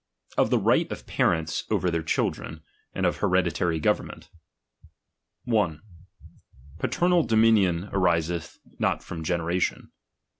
OF THE RIGHT OF PAHENTS OVER THEIR CHILDRENj AND or HEREDITAKY GOVERNMENT. 1. Paternal dominion ariseth not from generation.